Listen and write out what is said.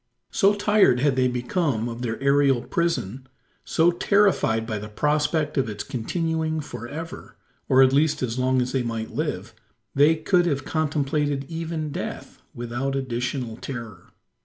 So tired had they become of their aerial prison so terrified by the prospect of its continuing for ever or at least as long as they might live they could have contemplated even death without additional terror.